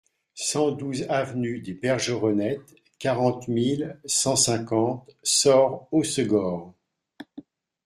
cent douze avenue des Bergeronnettes, quarante mille cent cinquante Soorts-Hossegor